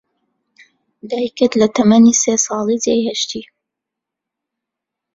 دایکت لە تەمەنی سێ ساڵی جێی هێشتی.